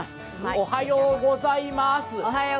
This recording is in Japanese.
おはようございます。